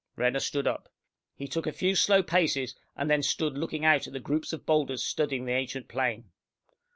Renner stood up. He took a few slow paces, and then stood looking out at the groups of boulders studding the ancient plain.